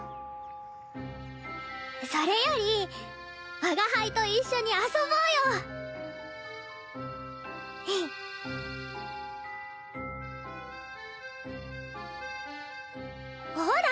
それより我が輩と一緒に遊ぼふふっほら！